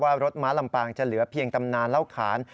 รถม้าลำปางจะเหลือเพียงตำนานเล่าขาน